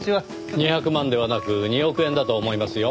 ２００万ではなく２億円だと思いますよ。